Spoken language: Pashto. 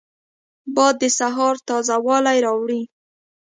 باد د سهار تازه والی راولي